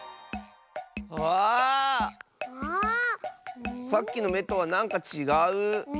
ああっ⁉さっきのめとはなんかちがう！